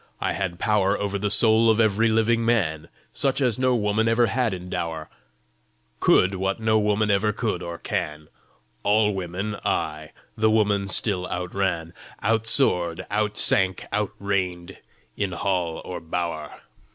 I had power Over the soul of every living man, Such as no woman ever had in dower Could what no woman ever could, or can; All women, I, the woman, still outran, Outsoared, outsank, outreigned, in hall or bower.